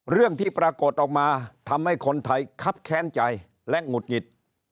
เรื่องที่ปรากฏออกมาทำให้คนไทยคับแค้นใจและหงุดหงิด